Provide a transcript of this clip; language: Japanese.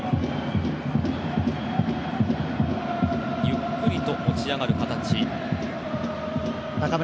ゆっくり持ち上がる形の日本。